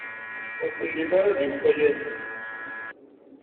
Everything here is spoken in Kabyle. Ur tellim ara d iwfayanen.